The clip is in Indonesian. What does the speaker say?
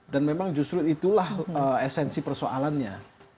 dan memang justru itulah esensi persoalannya